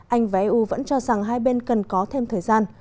anh và eu vẫn cho rằng hai bên cần có thêm thời gian